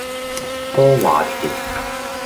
阿華田